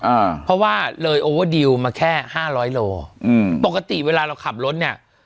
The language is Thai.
อ่าเพราะว่าเลยโอเวอร์ดิวมาแค่ห้าร้อยโลอืมปกติเวลาเราขับรถเนี้ย